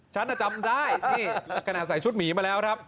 ฉันอ่ะจำได้นี่กระหน่าใส่ชุดหมีมาแล้วครับ